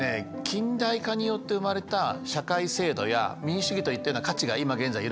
近代化によって生まれた社会制度や民主主義といったような価値が今現在揺らいでるんですね。